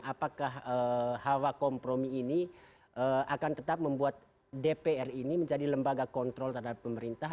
apakah hawa kompromi ini akan tetap membuat dpr ini menjadi lembaga kontrol terhadap pemerintah